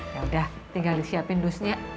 yaudah tinggal disiapin dusnya